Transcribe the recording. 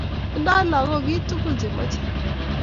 tindoi lagok keitukul che machee